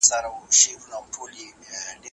د شيانو مصرف او خدمات د اقتصاد موضوعات دي.